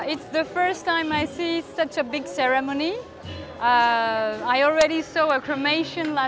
ini adalah pertama kali saya melihat perayaan besar seperti ini